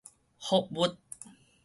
覆物